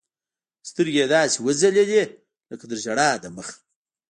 سترګې يې داسې وځلېدې لكه تر ژړا د مخه.